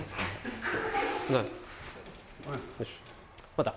また。